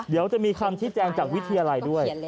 เดี๋ยวจะมีคำชี้แจงจากวิทยาลัยด้วย